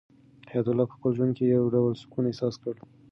حیات الله په خپل زړه کې یو ډول سکون احساس کړ.